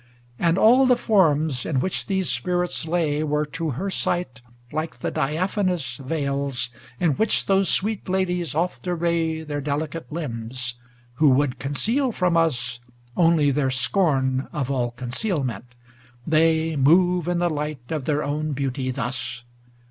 LXV And all the forms in which those spirits lay Were to her sight like the diaphanous Veils in which those sweet ladies oft array Their delicate limbs, who would conceal from us Only their scorn of all concealment; they Move in the light of their own beauty thus.